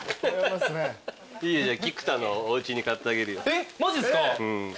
えっマジっすか？